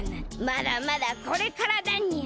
まだまだこれからだにゅう！